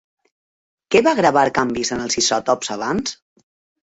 Què va gravar canvis en els isòtops abans?